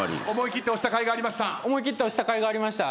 思い切って押したかいがありました。